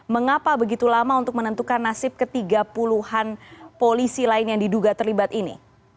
mengapa begitu lama untuk menentukan nasib ketiga puluhan polisi lain yang diduga terlibat ini